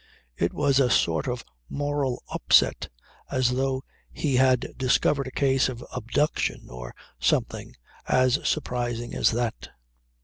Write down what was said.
It was a sort of moral upset as though he had discovered a case of abduction or something as surprising as that.